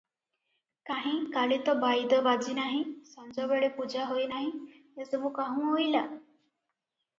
କାହିଁ, କାଲି ତ ବାଇଦ ବାଜି ନାହିଁ, ସଞ୍ଜବେଳେ ପୂଜା ହୋଇନାହିଁ, ଏସବୁ କାହୁଁ ଅଇଲା?